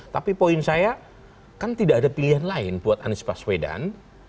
tapi poin saya kan tidak ada pilihan lain buat anies baswedan